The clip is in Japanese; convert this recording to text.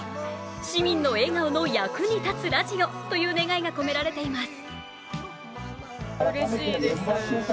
市民の笑顔の役に立つラジオという願いが込められています。